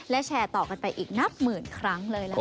และแชร์ต่อกันไปอีกนับหมื่นครั้งเลยล่ะค่ะ